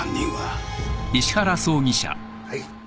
はい。